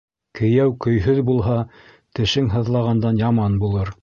Кейәү көйһөҙ булһа, тешең һыҙлағандан яман булыр.